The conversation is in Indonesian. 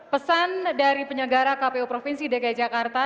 pesan dari penyelenggara kpu provinsi dki jakarta